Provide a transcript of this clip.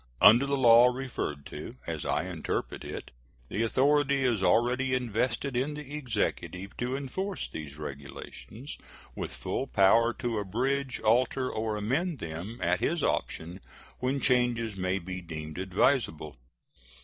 Under the law referred to, as I interpret it, the authority is already invested in the Executive to enforce these regulations, with full power to abridge, alter, or amend them, at his option, when changes may be deemed advisable.